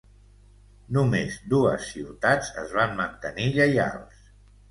Només dues ciutats es van mantenir lleials: